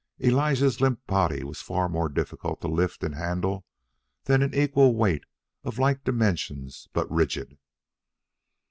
Elijah's limp body was far more difficult to lift and handle than an equal weight of like dimensions but rigid.